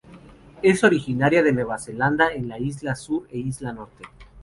Es originaria de Nueva Zelanda en isla Sur e isla Norte.